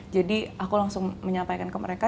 jadi aku langsung menyampaikan ke mereka